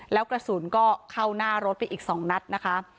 แล้วกระสุนก็เข้าหน้ารถไปอีก๒นัดนะคะ